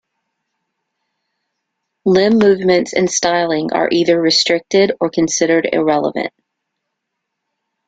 Limb movements and styling are either restricted or considered irrelevant.